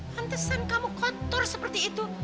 hantesan kamu kotor seperti itu